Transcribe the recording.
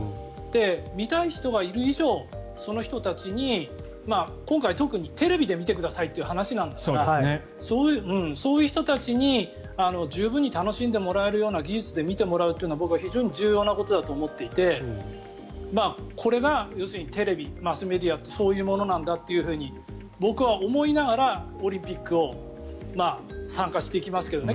見たい人がいる以上その人たちに今回特にテレビで見てくださいという話ですからそういう人たちに十分に楽しんでもらえるような技術で楽しんでもらうのは僕は非常に重要なことだと思っていてこれが要するにテレビ、マスメディアってそういうものなんだって僕は思いながらオリンピックに参加していきますけどね。